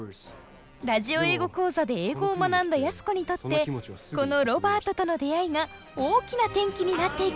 「ラジオ英語講座」で英語を学んだ安子にとってこのロバートとの出会いが大きな転機になっていくのです。